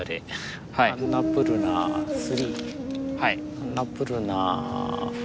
アンナプルナⅣ。